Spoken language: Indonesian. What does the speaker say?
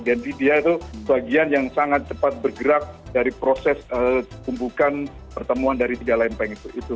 jadi dia itu bagian yang sangat cepat bergerak dari proses tumbukan pertemuan dari tiga lempeng itu